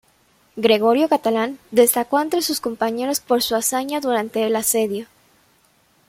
Gregorio Catalán destacó entre sus compañeros por su hazaña durante el asedio.